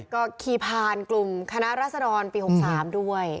ก็ขี่ผ่านกลุ่มคณะรัศดรปี๖๓ด้วย